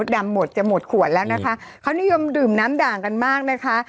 ดัมจะหมดขวดแล้วเขานิยมดื่มน้ำด่างกันมาก